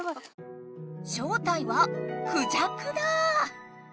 正体はクジャクだ！